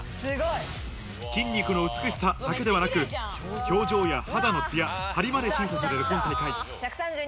筋肉の美しさだけではなく、表情や肌のつや、ハリまで審査される今大会。